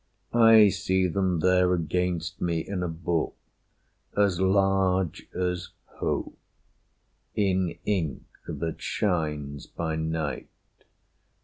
"I see them there against me in a book As large as hope, in ink that shines by night.